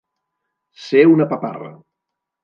Ser una paparra.